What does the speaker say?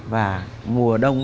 và mùa đông